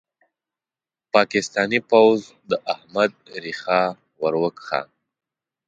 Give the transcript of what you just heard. پاکستاني پوځ د احمد ريښه ور وکښه.